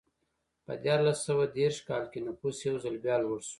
په دیارلس سوه دېرش کال کې نفوس یو ځل بیا لوړ شو.